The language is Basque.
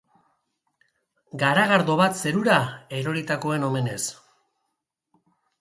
Garagardoa bat zerura eroritakoen omenez.